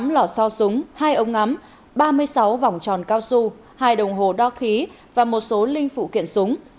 tám lò so súng hai ống ngắm ba mươi sáu vòng tròn cao su hai đồng hồ đo khí và một số linh phụ kiện súng